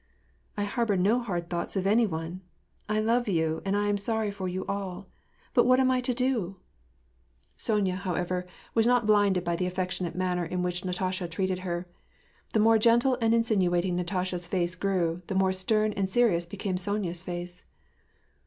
'< I harbor no hard thoughts of any one : I love you and I em gorry for you all. But what am I to do ?" 866 WAR AND PEACE. Sonya^ hovever, was not blinded by the affectionate manner in which Natasha treated her. The more gentle and insinuat ing Natasha's face grew, the more stern and serious became Sonya's face.